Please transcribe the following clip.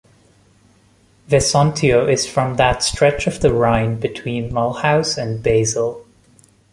Vesontio is from that stretch of the Rhine between Mulhouse and Basel.